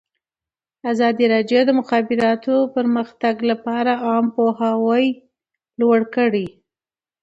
ازادي راډیو د د مخابراتو پرمختګ لپاره عامه پوهاوي لوړ کړی.